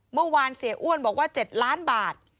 เมื่อวานเสียอ้วนบอกว่า๗ล้านบาท